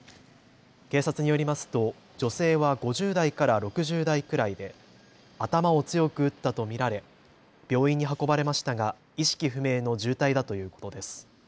警察によりますと女性は５０代から６０代くらいで頭を強く打ったと見られ病院に運ばれましたが意識不明の重体だということです。